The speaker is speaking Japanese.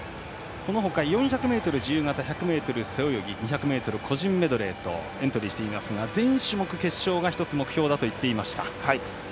このほか４００ｍ自由形１００ｍ背泳ぎ２００ｍ個人メドレーとエントリーしていますが全種目決勝が１つ、目標だと言っていました。